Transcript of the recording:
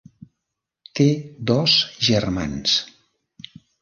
Té dos germans.